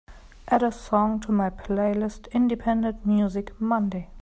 Add a song to my playlist Independent Music Monday